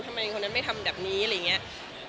ทำไมคนนั้นไม่ทำแบบนี้อะไรอย่างนี้